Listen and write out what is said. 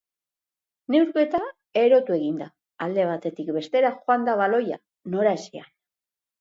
Neurketa erotu egin da, alde batetik bestera joan da baloia, noraezean.